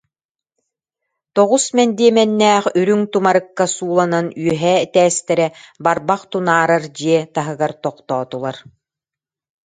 Тоҕус мэндиэмэннээх, үрүҥ тумарыкка сууланан үөһээ этээстэрэ барбах тунаарар дьиэ таһыгар тохтоотулар